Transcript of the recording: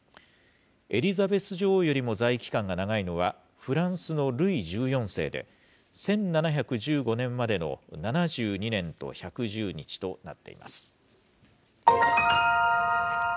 エリザベス女王よりも在位期間が長いのは、フランスのルイ１４世で、１７１５年までの７２年と１１０日となっています。